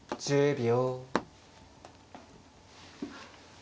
１０秒。